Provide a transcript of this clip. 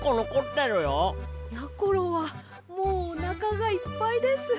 ころはもうおなかがいっぱいです。